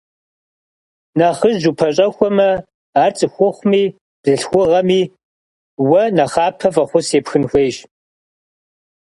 Нэхъыжь упэщӏэхуамэ, ар цӏыхухъуми бзылъхугъэми уэ нэхъапэ фӏэхъус епхын хуейщ.